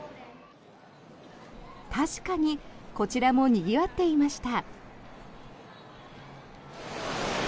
確かにこちらもにぎわっていました。